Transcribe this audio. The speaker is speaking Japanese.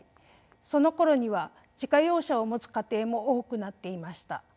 そのころには自家用車を持つ家庭も多くなっていました。